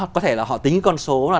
có thể là họ tính con số